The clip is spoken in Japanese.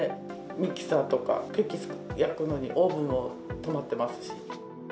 ミキサーとか、ケーキ焼くのにオーブンも止まってますし。